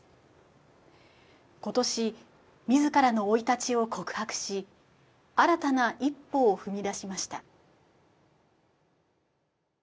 今年自らの生い立ちを告白し新たな一歩を踏み出しました。